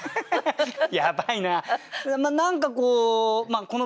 やばいな。